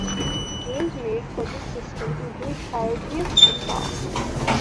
Games made for this system include Parodius Da!